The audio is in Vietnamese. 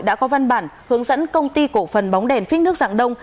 đã có văn bản hướng dẫn công ty cổ phần bóng đèn phích nước dạng đông